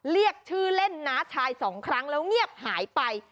เรียกชื่อเล่นน้าชายสองครั้งแล้วเงียบหายไป